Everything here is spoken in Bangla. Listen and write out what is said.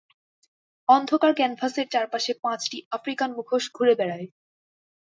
অন্ধকার ক্যানভাসের চারপাশে পাঁচটি আফ্রিকান মুখোশ ঘুরে বেড়ায়।